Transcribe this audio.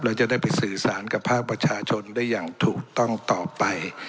เราจะได้ไปสื่อสารกับภาคประชาชนได้อย่างถูกต้องต่อไป